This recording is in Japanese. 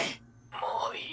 もういい。